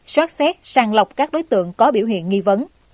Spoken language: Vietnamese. xót xét sàng lọc các đối tượng có biểu hiện nghi vấn